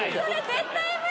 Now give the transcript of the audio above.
絶対無理！